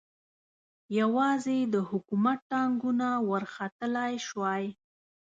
یوازې د حکومت ټانګونه ورختلای شوای.